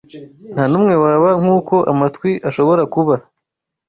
ntanumwe waba nkuko amatwi ashobora kuba